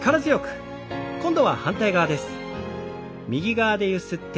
今度は反対側です。